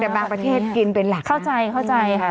แต่บางประเทศกินเป็นหลักเข้าใจเข้าใจค่ะ